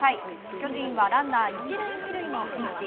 巨人はランナー１塁２塁のピンチ。